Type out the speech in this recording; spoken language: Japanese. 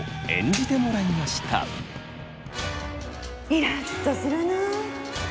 イラっとするな。